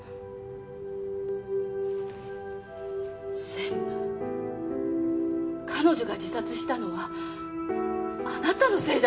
専務彼女が自殺したのはあなたのせいじゃないの？